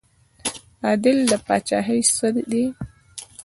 عدل د پاچاهۍ څه دی؟